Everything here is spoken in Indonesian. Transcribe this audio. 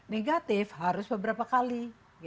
negatif harus beberapa kali